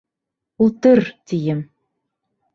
Ултыр, тием!